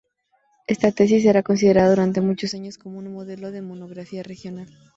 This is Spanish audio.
Ésta tesis será considerada durante muchos años como un modelo de monografía regional.